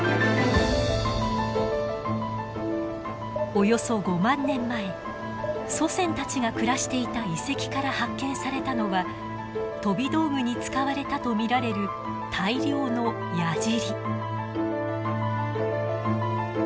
およそ５万年前祖先たちが暮らしていた遺跡から発見されたのは飛び道具に使われたと見られる大量の矢じり。